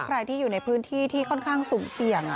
ใครที่อยู่ในพื้นที่ที่ค่อนข้างสุ่มเสี่ยง